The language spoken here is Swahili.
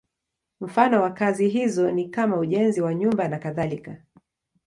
Mfano wa kazi hizo ni kama ujenzi wa nyumba nakadhalika.